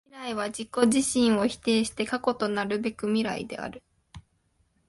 未来は自己自身を否定して過去となるべく未来である。